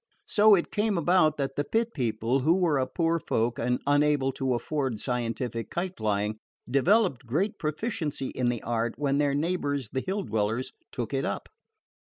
So it came about that the Pit People, who were a poor folk and unable to afford scientific kite flying, developed great proficiency in the art when their neighbors the Hill dwellers took it up.